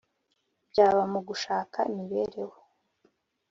byaba mu gushaka imibereho